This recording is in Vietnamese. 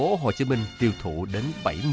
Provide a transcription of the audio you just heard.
thành phố hồ chí minh tiêu thụ đến bảy mươi